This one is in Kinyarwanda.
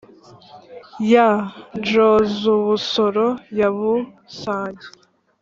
Ya Njozubusoro ya Busage.